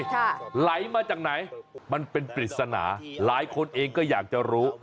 ไหลมาจากไหนมันเป็นปริศนาหลายคนเองก็อยากจะรู้